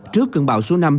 trước cơn bão số năm